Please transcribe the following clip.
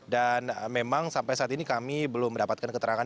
dan memang sampai saat ini kami belum mendapatkan keterangan